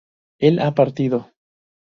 ¿él ha partido?